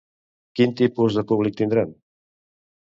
Quin tipus de públic tindran?